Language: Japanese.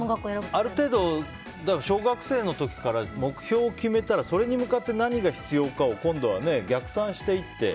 ある程度、小学生の時から目標を決めたらそれに向かって、何が必要かを逆算していって。